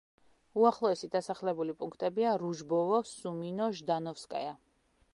უახლოესი დასახლებული პუნქტებია: რუჟბოვო, სუმინო, ჟდანოვსკაია.